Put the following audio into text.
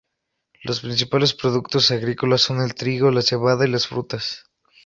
Los principales productos agrícolas son el trigo, la cebada y las frutas.